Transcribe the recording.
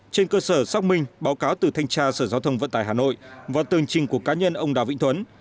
trên cơ sở xác minh báo cáo từ thanh tra sở giao thông vận tải hà nội và tường trình của cá nhân ông đào vĩnh thuấn